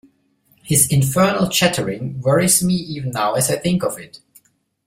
His infernal chattering worries me even now as I think of it.